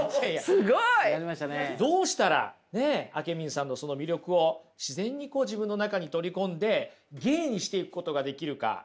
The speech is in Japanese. すごい！どうしたらあけみんさんのその魅力を自然に自分の中に取り込んで芸にしていくことができるか。